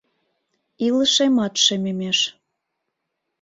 Илышемат шемемеш;